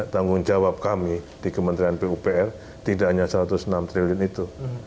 tanggung jawab kami di kementerian pupr tidak hanya satu ratus enam triliun itu